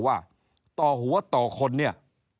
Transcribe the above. ว่าต่อหัวต่อคนเนี่ย